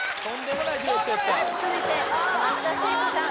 さあ続いて松田聖子さん